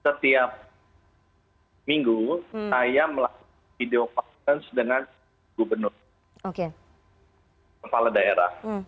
setiap minggu saya melakukan video conference dengan gubernur kepala daerah